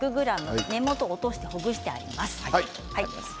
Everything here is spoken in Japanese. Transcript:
根元を落としてほぐしています。